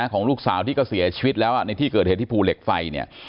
ของลูกสาวที่ก็เสียชีวิตแล้วในที่เกิดเหตุที่ภูเหล็กไฟเนี่ย